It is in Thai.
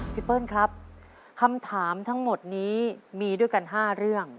เปิ้ลครับคำถามทั้งหมดนี้มีด้วยกัน๕เรื่อง